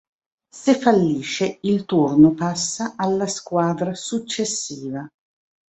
Se fallisce, il turno passa alla squadra successiva.